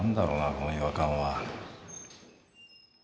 この違和感は。